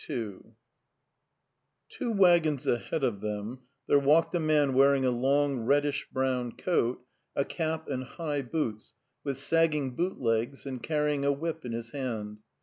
Two waggons ahead of them there walked a man wearing a long reddish brown coat, a cap and high boots with sagging bootlegs and carrying a whip in his hand.